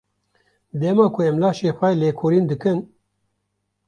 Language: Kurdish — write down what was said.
Dema ku em laşê xwe lêkolîn dikin.